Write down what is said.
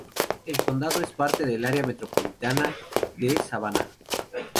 El condado es parte del área metropolitana de Savannah.